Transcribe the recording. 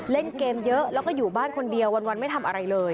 เล่นเกมเยอะแล้วก็อยู่บ้านคนเดียววันไม่ทำอะไรเลย